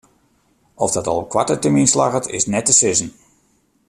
Oft dat al op koarte termyn slagget is net te sizzen.